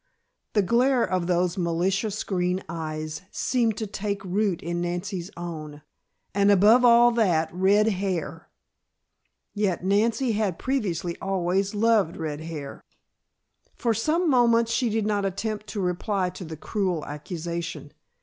The glare of those malicious green eyes seemed to take root in Nancy's own, and above all that red hair yet Nancy had previously always loved red hair! For some moments she did not attempt to reply to the cruel accusation.